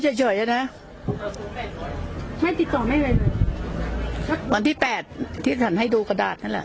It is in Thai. เขาเจ๋ยเจ๋ยนะไม่ติดต่อไม่ได้เลยวันที่แปดที่ฉันให้ดูกระดาษนั่นแหละ